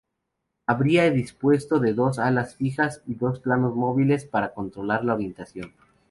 Habría dispuesto de dos alas fijas y dos planos móviles para controlar la orientación.